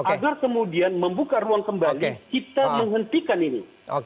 agar kemudian membuka ruang kembali kita menghentikan ini